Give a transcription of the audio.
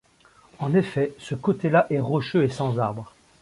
En effet, ce côté-là est rocheux et sans arbres.